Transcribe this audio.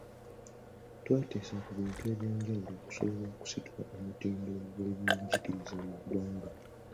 Twateesa ku bintu eby’enjawulo okusobola okusitula omutindo gw’ebyenjigiriza mu ggwanga.